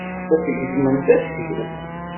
Ad tgezmemt aseklu.